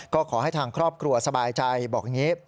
ก็ขอให้ทางครอบครัวสบายใจบอกอย่างนี้